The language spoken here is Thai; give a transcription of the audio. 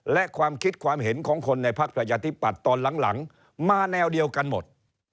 และความคิดความเห็นของคนในพักประชาธิปัตย์ตอนหลังมาแนวเดียวกันหมด